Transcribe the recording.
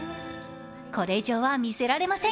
これ以上は見せられません。